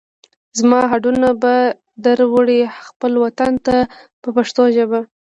زما هډونه به در وړئ خپل وطن ته په پښتو ژبه.